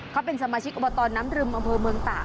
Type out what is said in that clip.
เขาเป็นสมาชิกอบตน้ำรึมอำเภอเมืองตาก